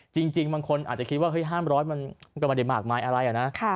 จริงบางคนอาจจะคิดว่าห้ามร้อยมันก็มันเด็ดหมากมายอะไรอะนะ